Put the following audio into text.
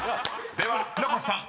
［では船越さん］